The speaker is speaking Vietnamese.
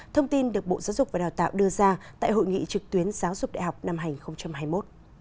thông tin được bộ giáo dục và đào tạo đưa ra tại hội nghị trực tuyến giáo dục đại học năm hai nghìn hai mươi một